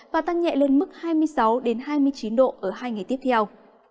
và tăng nhẹ lên mức hai mươi sáu hai mươi chín độ ở hai ngày tiếp theo